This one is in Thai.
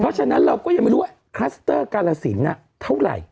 เพราะฉะนั้นเราก็ยังไม่รู้ว่าคลัสเตอร์กาลสินเท่าไหร่